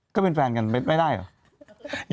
ก็เป็นแฟนกันไม่ได้เหรอ